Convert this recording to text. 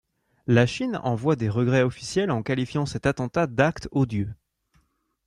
La Chine envoie des regrets officiels en qualifiant cet attentat d'acte odieux.